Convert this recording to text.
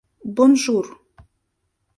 Бонжур!